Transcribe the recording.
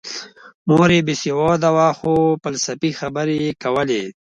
مور یې بې سواده وه خو فلسفي خبرې یې کولې